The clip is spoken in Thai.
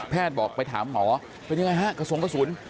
แพทย์บอกไปถามหมอเป็นอย่างไรฮะกระสุนกระสุน